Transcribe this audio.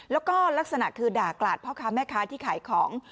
แล้วก็ลักษณะคือด่ากลาดพ่อค้าแม่ค้าที่ขายของ